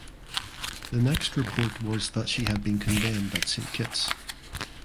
The next report was that she had been condemned at St Kitts.